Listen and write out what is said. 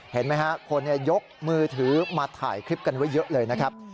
เห็นไหมฮะคนยกมือถือมาถ่ายคลิปกันไว้เยอะเลยนะครับ